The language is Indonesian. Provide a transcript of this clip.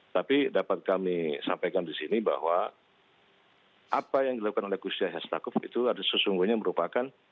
tapi dapat kami sampaikan di sini bahwa apa yang dilakukan oleh gus yahya stakuf itu sesungguhnya merupakan